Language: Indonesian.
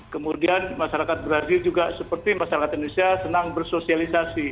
kemudian masyarakat brazil juga seperti masyarakat indonesia senang bersosialisasi